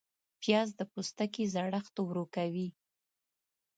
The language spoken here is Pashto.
پیاز د پوستکي زړښت ورو کوي